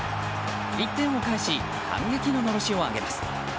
１点を返し反撃ののろしを上げます。